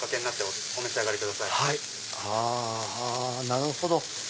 なるほど！